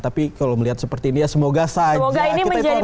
tapi kalau melihat seperti ini ya semoga saja kita harus berpikir positif